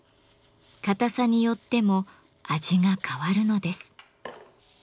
硬さによっても味が変わるのです。